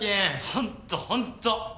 ホントホント。